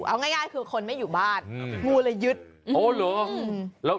เอาง่ายคือคนไม่อยู่บ้านอืมกูเลยยึดโอ้หรือแล้ว